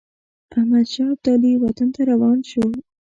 احمدشاه ابدالي وطن ته روان شو.